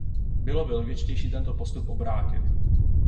Bylo by logičtější tento postup obrátit.